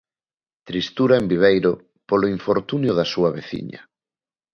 Tristura en Viveiro polo infortunio da súa veciña.